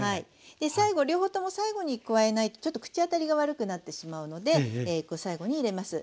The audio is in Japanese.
両方とも最後に加えないとちょっと口当たりが悪くなってしまうので最後に入れます。